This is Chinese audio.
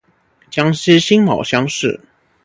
江西辛卯乡试。